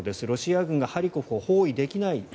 ロシア軍がハリコフを包囲できない。